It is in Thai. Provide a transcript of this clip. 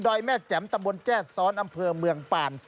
แม่แจ๋มตำบลแจ้ซ้อนอำเภอเมืองป่าน